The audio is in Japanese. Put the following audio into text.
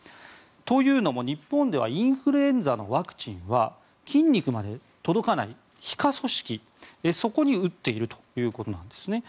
というのも日本ではインフルエンザのワクチンは筋肉まで届かない皮下組織そこに打っているということなんですね。